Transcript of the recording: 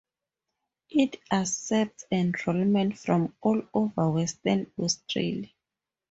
It accepts enrolments from all over Western Australia.